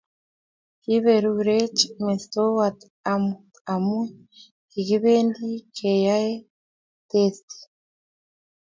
Kiberur ech mestowot amut amu kikibende keyaye testi